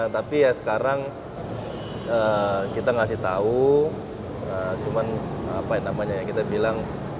tapi ya sekarang kita ngasih tahu cuman apa ya namanya ya kita bilang